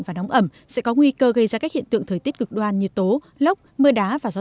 và nóng ẩm sẽ có nguy cơ gây ra các hiện tượng thời tiết cực đoan như tố lốc mưa đá và gió